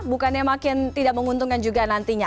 bukannya makin tidak menguntungkan juga nantinya